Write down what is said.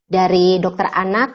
dari dokter anak